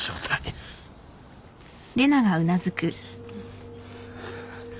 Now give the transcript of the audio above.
うん。